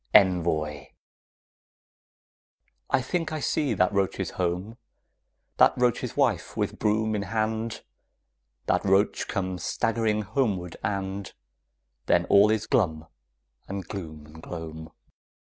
ENVOI I think I see that roach's home, That roach's wife, with broom in hand, That roach come staggering homeward and Then all is glum and gloom and gloam.